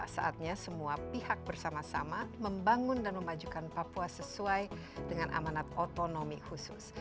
saatnya semua pihak bersama sama membangun dan memajukan papua sesuai dengan amanat otonomi khusus